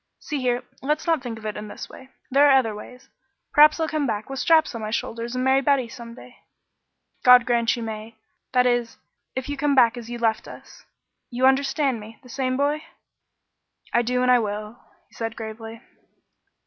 See here, let's not think of it in this way. There are other ways. Perhaps I'll come back with straps on my shoulders and marry Betty some day." "God grant you may; that is, if you come back as you left us. You understand me? The same boy?" "I do and I will," he said gravely.